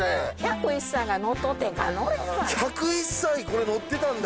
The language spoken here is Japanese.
１０１歳これ乗ってたんだ！？